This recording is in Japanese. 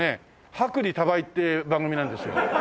「薄利多売」って番組なんですよ。